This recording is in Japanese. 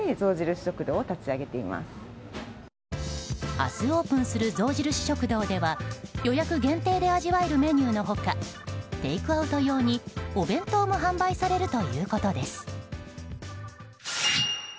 明日、オープンする象印食堂では予約限定で味わえるメニューの他テイクアウト用にお弁当も販売されるということです。